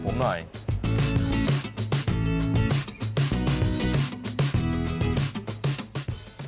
ดีฉันไม่ได้อยากได้ของฝากเป็นรูปถ่ายค่ะ